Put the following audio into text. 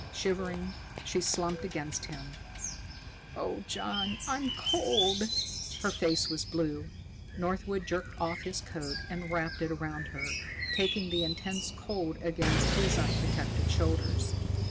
Shivering, she slumped against him. "Oh, John! I'm cold." Her face was blue. Northwood jerked off his coat and wrapped it around her, taking the intense cold against his unprotected shoulders.